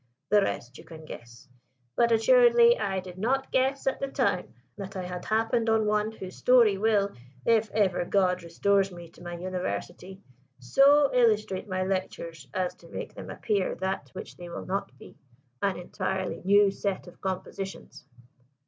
The rest you can guess: but assuredly I did not guess at the time that I had happened on one whose story will if ever God restores me to my University so illustrate my lectures as to make them appear that which they will not be an entirely new set of compositions."